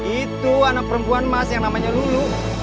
itu anak perempuan mas yang namanya lulu